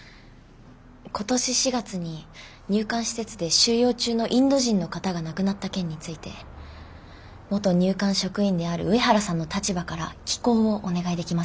今年４月に入管施設で収容中のインド人の方が亡くなった件について元入管職員である上原さんの立場から寄稿をお願いできませんでしょうか？